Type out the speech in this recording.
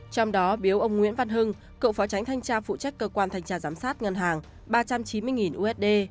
trong đó biếu ông nguyễn văn hưng cựu phó tránh thanh tra phụ trách cơ quan thanh tra giám sát ngân hàng ba trăm chín mươi usd